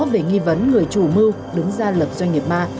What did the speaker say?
về nghi vấn người chủ mưu đứng ra lập doanh nghiệp ma